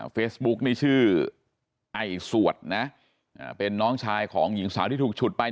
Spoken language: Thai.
เฟซบุ๊กนี่ชื่อไอสวดนะเป็นน้องชายของหญิงสาวที่ถูกฉุดไป